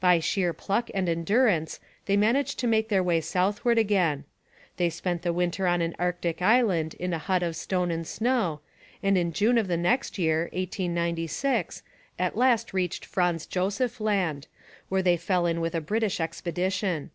By sheer pluck and endurance they managed to make their way southward again. They spent the winter on an Arctic island in a hut of stone and snow, and in June of the next year (1896) at last reached Franz Joseph Land, where they fell in with a British expedition.